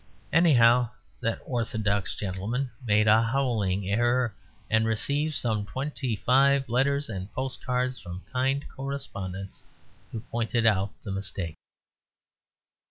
Anyhow, that orthodox gentleman made a howling error; and received some twenty five letters and post cards from kind correspondents who pointed out the mistake.